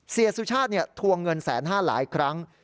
เสียสู่ชาติทวงเงิน๑๕๐๐๐๐บาทหลายครั้ง